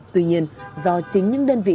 tuy nhiên do chính những đơn vị